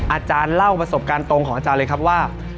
อาจารย์เล่าประสบการณ์ตรงของอาจารย์เลยครับว่า